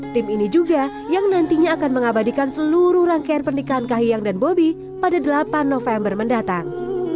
tim ini juga yang nantinya akan mengabadikan seluruh rangkaian pernikahan kahiyang dan bobi pada delapan november mendatang